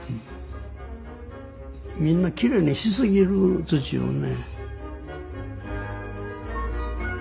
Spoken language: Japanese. みんなきれいにしすぎる土をね。